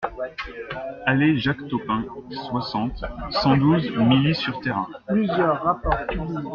Allée Jacques Topin, soixante, cent douze Milly-sur-Thérain